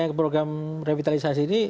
ada yang program revitalisasi ini